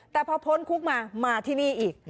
แต่พอพ้นคุกมามาที่นี่อีก